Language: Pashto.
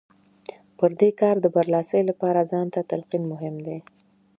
پر دې کار د برلاسۍ لپاره ځان ته تلقين مهم دی.